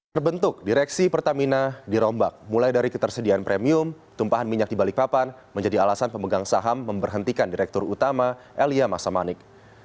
terbentuk direksi pertamina dirombak mulai dari ketersediaan premium tumpahan minyak di balikpapan menjadi alasan pemegang saham memberhentikan direktur utama elia masamanik